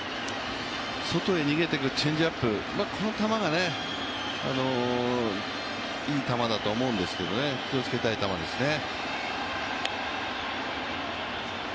外へ逃げていくチェンジアップ、この球がいい球だと思うんですけど気をつけたい球ですね。